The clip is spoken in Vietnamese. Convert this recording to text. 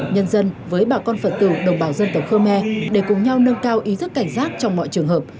nhân dân với bà con phật tử đồng bào dân tộc khơ me để cùng nhau nâng cao ý thức cảnh giác trong mọi trường hợp